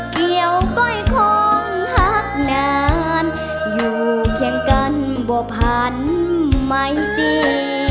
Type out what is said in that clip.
เกี่ยวก้อยคงหักนานอยู่เคียงกันบ่พันไม่ตี